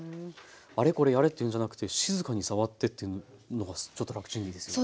あれこれやれっていうんじゃなくて静かに触ってっていうのがちょっと楽ちんでいいですよね。